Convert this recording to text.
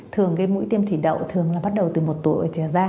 thường cái mũi tiêm thủy đậu thường là bắt đầu từ một tuổi trở ra